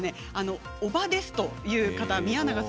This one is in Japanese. おばですという方。